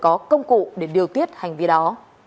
có công cụ để điều tiết hành vi đó